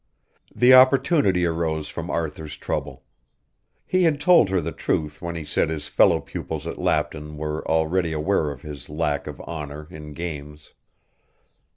The opportunity arose from Arthur's trouble. He had told her the truth when he said his fellow pupils at Lapton were already aware of his lack of honour in games.